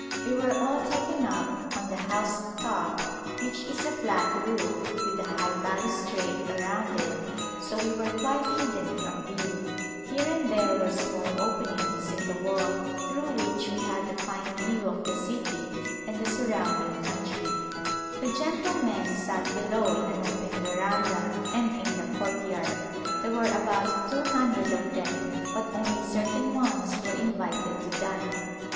We were all taken up on the housetop which is a flat roof with a high balustrade around it, so we were quite hidden from view ; here and there were small openings in the wall through which we had a line view of the city and the surrounding country. A Glimpse of India The gentlemen sat below in an open veranda and in the courtyard. There were about two hundred of them but only certain ones were invited to dine.